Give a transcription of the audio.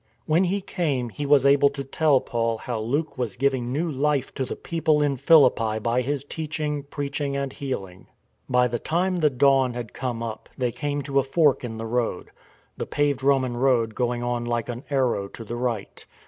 When he came he was able to tell Paul how Luke was giving new life to the people in Philippi by his teaching, preaching, and healing. By the time the dawn had come up they came to a fork in the road; the paved Roman road going on like an arrow to the right.